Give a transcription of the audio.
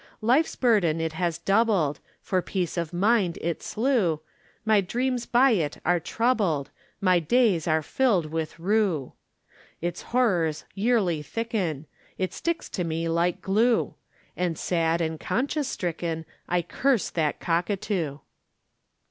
Life's burden it has doubled, For peace of mind it slew, My dreams by it are troubled, My days are filled with rue. Its horrors yearly thicken, It sticks to me like glue, And sad and conscience stricken I curse that cockatoo.